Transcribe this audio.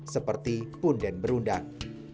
seperti punden berundang